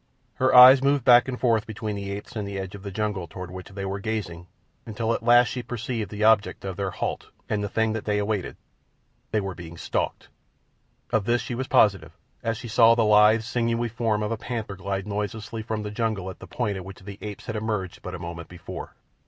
Her eyes moved back and forth between the apes and the edge of the jungle toward which they were gazing until at last she perceived the object of their halt and the thing that they awaited. They were being stalked. Of this she was positive, as she saw the lithe, sinewy form of a panther glide noiselessly from the jungle at the point at which the apes had emerged but a moment before.